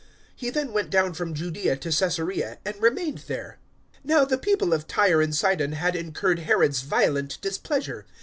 He then went down from Judaea to Caesarea and remained there. 012:020 Now the people of Tyre and Sidon had incurred Herod's violent displeasure.